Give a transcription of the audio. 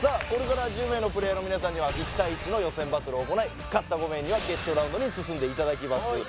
これから１０名のプレイヤーの皆さんには１対１の予選バトルを行い勝った５名には決勝ラウンドに進んでいただきます